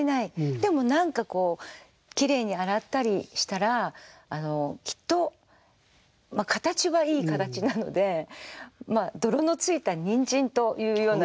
でも何かこうきれいに洗ったりしたらきっと形はいい形なので泥のついたにんじん」というような。